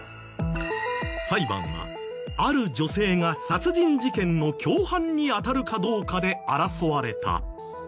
裁判はある女性が殺人事件の共犯にあたるかどうかで争われた。